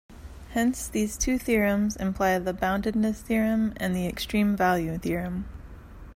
Hence these two theorems imply the boundedness theorem and the extreme value theorem.